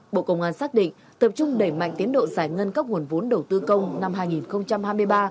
bộ công an xác định tập trung đẩy mạnh tiến độ giải ngân các nguồn vốn đầu tư công năm hai nghìn hai mươi ba